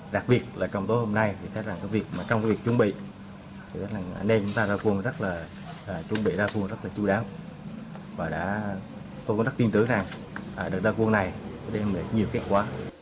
đặc biệt là đại hội đảng cấp cấp tiến tới đại hội đảng tuần quốc lần thứ một mươi hai